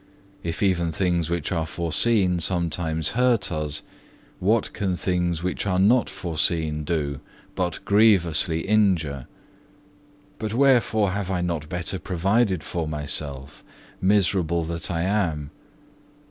If even things which are foreseen sometimes hurt us, what can things which are not foreseen do, but grievously injure? But wherefore have I not better provided for myself, miserable that I am?